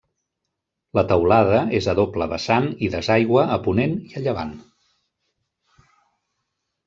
La teulada és a doble vessant i desaigua a ponent i a llevant.